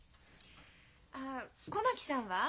あ小牧さんは？